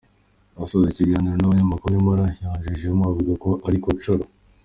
Asoza ikiganiro nabanyamakuru nyamara yanyujijemo avuga ararikocora.